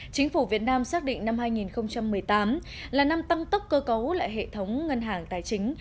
chính phủ việt nam xác định năm hai nghìn một mươi tám là năm tăng tốc cơ cấu lại hệ thống ngân hàng tài chính